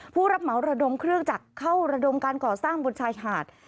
ผู้รับเหมาระดมเครื่องจักรเข้าระดมการก่อสร้างบนชายหาด